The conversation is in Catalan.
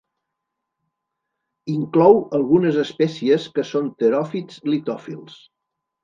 Inclou algunes espècies que són teròfits litòfils.